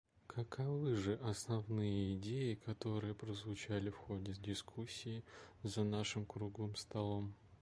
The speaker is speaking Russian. Каковы же основные идеи, которые прозвучали в ходе дискуссии за нашим «круглым столом»?